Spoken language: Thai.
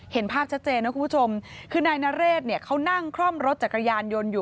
เห็นภาพชัดเจนนะคุณผู้ชมคือนายนเรศเนี่ยเขานั่งคล่อมรถจักรยานยนต์อยู่